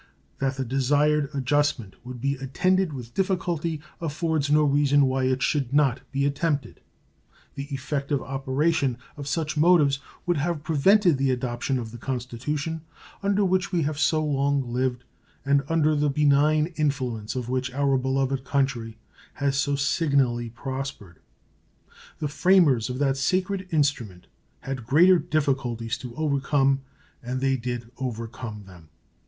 That the desired adjustment would be attended with difficulty affords no reason why it should not be attempted. The effective operation of such motives would have prevented the adoption of the Constitution under which we have so long lived and under the benign influence of which our beloved country has so signally prospered. The framers of that sacred instrument had greater difficulties to overcome, and they did overcome them.